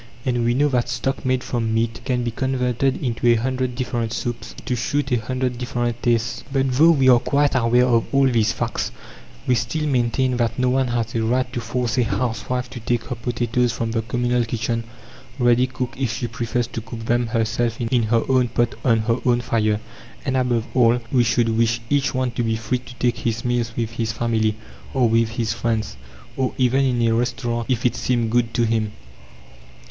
And we know that stock made from meat can be converted into a hundred different soups to suit a hundred different tastes. But though we are quite aware of all these facts, we still maintain that no one has a right to force a housewife to take her potatoes from the communal kitchen ready cooked if she prefers to cook them herself in her own pot on her own fire. And, above all, we should wish each one to be free to take his meals with his family, or with his friends, or even in a restaurant, if it seemed good to him.